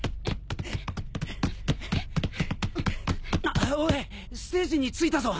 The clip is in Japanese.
あっおいステージに着いたぞ。